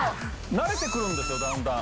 慣れてくるんですよだんだん。